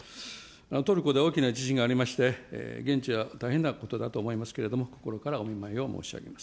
トルコで大きな地震がありまして、現地は大変なことだと思いますけれども、心からお見舞いを申し上げます。